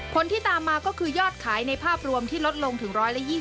ผลที่ตามมาก็คือยอดขายในภาพรวมที่ลดลงถึง๑๒๐